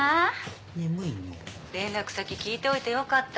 連絡先聞いておいてよかった。